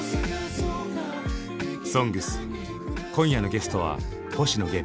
「ＳＯＮＧＳ」今夜のゲストは星野源。